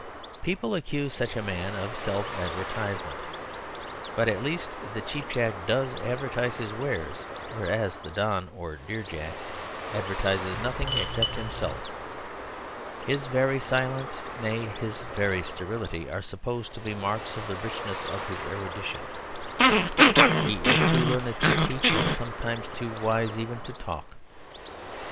People accuse such a man of self advertisement. But at least the cheap jack does advertise his wares, whereas the don or dear jack advertises nothing except himself. His very silence, nay his very sterility, are supposed to be marks of the richness of his erudition. He is too learned to teach, and sometimes too wise even to talk. St.